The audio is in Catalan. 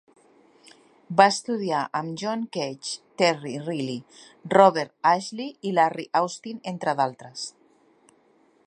Va estudiar amb John Cage, Terry Riley, Robert Ashley i Larry Austin, entre d'altres.